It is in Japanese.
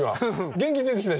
元気出てきた。